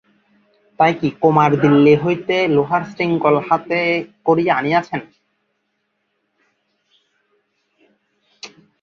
তাই কি, কুমার দিল্লি হইতে লোহার শৃঙ্খল হাতে করিয়া আনিয়াছেন?